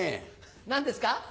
何ですか？